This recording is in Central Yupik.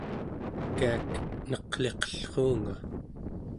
kiak neq'liqellruunga